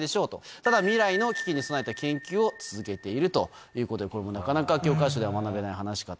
ただ、未来の危機に備えた研究を続けているということで、これもなかなか、教科書では学べない話かと。